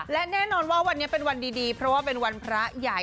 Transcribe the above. และแน่นอนว่าวันนี้เป็นวันดีเพราะว่าเป็นวันพระใหญ่